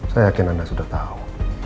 saya yakin anda sudah tahu